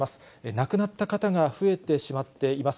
亡くなった方が増えてしまっています。